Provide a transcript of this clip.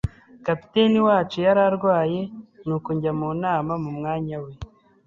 Kapiteni wacu yararwaye, nuko njya mu nama mu mwanya we.